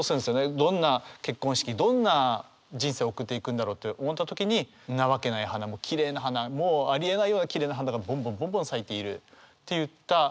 どんな結婚式どんな人生送っていくんだろうと思った時にんなわけない花もきれいな花もありえないようなきれいな花がぼんぼんぼんぼん咲いているっていったご都合主義に考えてしまうという。